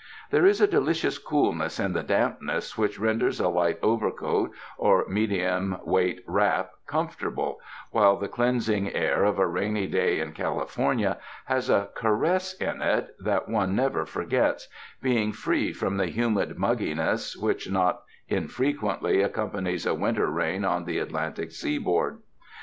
There is a delicious coolness in the dampness which renders a light overcoat or medium weight wrap comfortable, while the cleansing air of a rainy day in California has a caress in it that one never forgets, being free from the humid mugginess which not in frequently accompanies a winter rain on the Atlan tic seaboard.